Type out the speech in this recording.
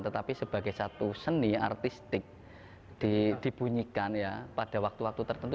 tetapi sebagai satu seni artistik dibunyikan ya pada waktu waktu tertentu